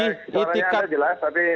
itikat suaranya sudah jelas tapi